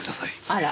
あら。